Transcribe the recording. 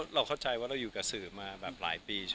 เราเข้าใจว่าเราอยู่กับสื่อมาแบบหลายปี